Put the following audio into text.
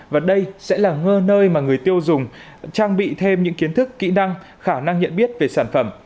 và đây sẽ là ngơ nơi mà người tiêu dùng trang bị thêm những kiến thức kỹ năng khả năng nhận biết về sản phẩm